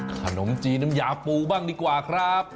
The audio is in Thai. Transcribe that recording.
ขนมจีนน้ำยาปูบ้างดีกว่าครับ